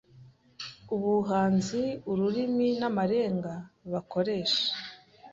ubuhanzi, ururimi n’amarenga bakoresha